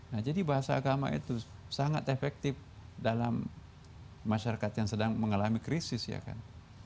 nah jadi bahasa agama itu sangat efektif dalam masyarakat yang sedang mengalami krisis ya kan